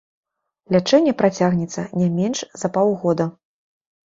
Лячэнне працягнецца не менш за паўгода.